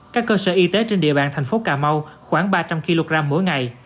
các cơ sở y tế trên địa bàn thành phố cà mau khoảng ba trăm linh kg mỗi ngày